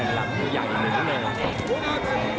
หลังใหญ่มากเลยนะครับ